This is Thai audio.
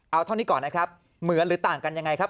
เอาเท่านี้ก่อนนะครับเหมือนหรือต่างกันยังไงครับ